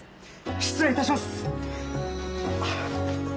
失礼いたします！